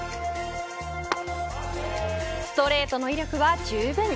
ストレートの威力はじゅうぶん。